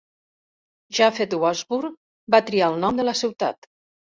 Japheth Washburn va triar el nom de la ciutat.